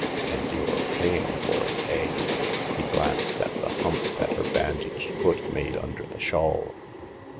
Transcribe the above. " And you're paying for it, eh ?" He glanced at the hump that her bandaged foot made under the shawl.